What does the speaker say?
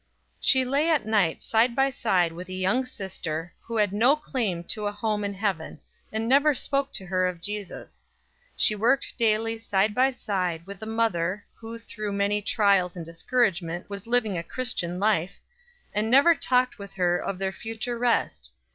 She lay at night side by side with a young sister, who had no claim to a home in heaven, and never spoke to her of Jesus. She worked daily side by side with a mother who, through many trials and discouragements, was living a Christian life, and never talked with her of their future rest.